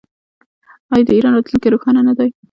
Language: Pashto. آیا د ایران راتلونکی روښانه نه دی؟